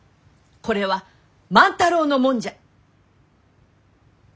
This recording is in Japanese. これは万太郎のもんじゃ。